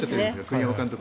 栗山監督。